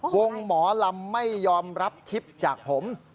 หมอลำไม่ยอมรับทิพย์จากผม